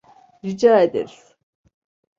Rica ederiz.